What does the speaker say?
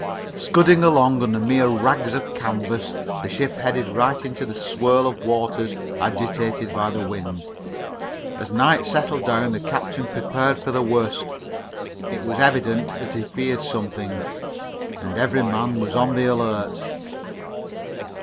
Scudding along under mere rags of canvas, the ship headed right into the swirl of waters agitated by the wind. As night settled down the captain prepared for the worst. It was evident that he feared something, and every man was on the alert.